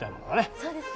そうですね。